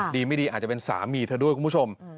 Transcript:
ดีไม่ดีอาจจะเป็นสามีเธอด้วยคุณผู้ชม